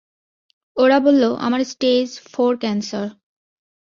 ওরা বলল, আমার স্টেজ ফোর ক্যান্সার।